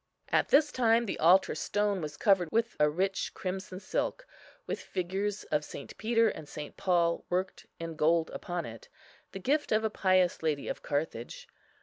At this time the altar stone was covered with a rich crimson silk, with figures of St. Peter and St. Paul worked in gold upon it, the gift of a pious lady of Carthage.